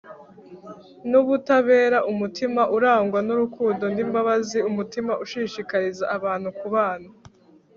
n'ubutabera, umutima urangwa n'urukundo n'imbabazi, umutima ushishikariza abantu kubana